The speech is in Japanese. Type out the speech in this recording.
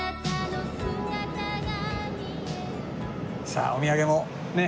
さあお土産もね